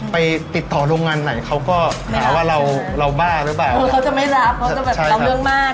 ไปติดต่อโรงงานไหนเขาก็หาว่าเราเราบ้าหรือเปล่าคือเขาจะไม่รับเขาจะแบบเราเรื่องมาก